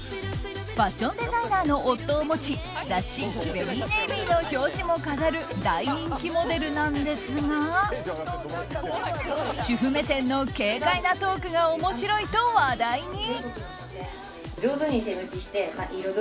ファッションデザイナーの夫を持ち雑誌「ＶＥＲＹＮＡＶＹ」の表紙も飾る大人気モデルなんですが主婦目線の軽快なトークが面白いと話題に。